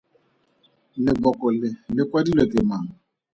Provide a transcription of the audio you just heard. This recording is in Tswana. Leboko le le kwadilwe ke mang?